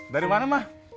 dari mana mah